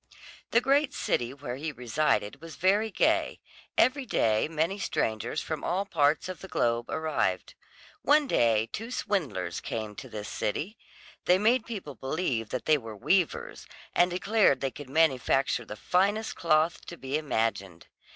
The great city where he resided was very gay; every day many strangers from all parts of the globe arrived. One day two swindlers came to this city; they made people believe that they were weavers, and declared they could manufacture the finest cloth to be imagined.